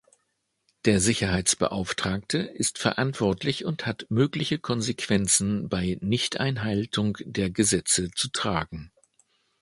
Der "Sicherheitsbeauftragte" ist verantwortlich und hat mögliche Konsequenzen bei Nichteinhaltung der Gesetze zu tragen.